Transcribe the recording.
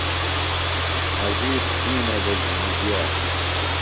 عزیز شِینہ دےۡ گھِنیۡ گِیہ